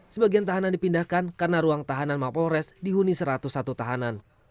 sebagian tahanan dipindahkan karena ruang tahanan mapolres dihuni satu ratus satu tahanan